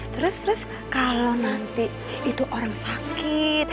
terus terus kalau nanti itu orang sakit